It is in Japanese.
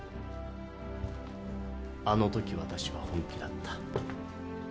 あの時私は本気だった。